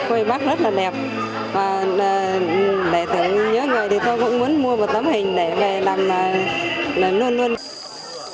và để thử nhớ người thì tôi cũng muốn mua một tấm hình để về làm là luôn luôn